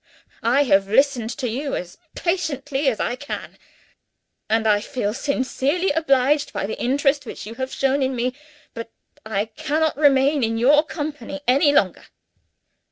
I have listened to you as patiently as I can; and I feel sincerely obliged by the interest which you have shown in me but I cannot remain in your company any longer.